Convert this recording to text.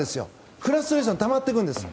フラストレーションたまっていくんですよ。